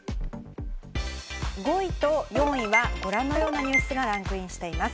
５位と４位はご覧のようなニュースがランクインしています。